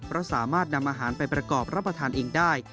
และสามารถนำอาหารไปประกอบรับประทานเองได้